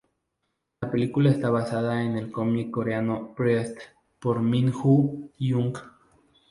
La película está basada en el cómic Coreano "Priest" por Min-Woo Hyung.